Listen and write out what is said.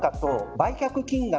売却金額